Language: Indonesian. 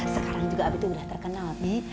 sekarang juga abi tuh udah terkenal bi